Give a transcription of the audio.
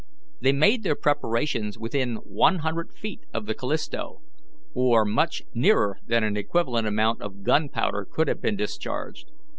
They made their preparations within one hundred feet of the Callisto, or much nearer than an equivalent amount of gunpowder could have been discharged.